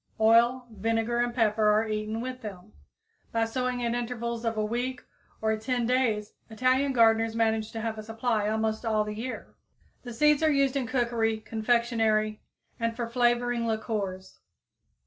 Oil, vinegar and pepper are eaten with them. By sowing at intervals of a week or 10 days Italian gardeners manage to have a supply almost all the year. The seeds are used in cookery, confectionery and for flavoring liquors.